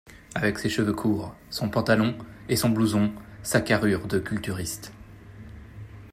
Avec ses cheveux courts, son pantalon et son blouson, sa carrure de culturiste